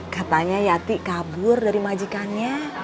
katanya yati kabur dari majikannya